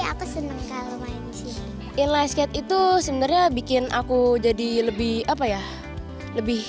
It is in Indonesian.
aku seneng kalau main di sini inline skate itu sebenarnya bikin aku jadi lebih apa ya lebih